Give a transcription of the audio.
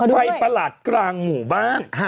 ประหลาดกลางหมู่บ้าน